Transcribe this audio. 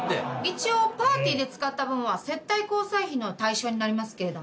一応パーティーで使った分は接待交際費の対象になりますけど。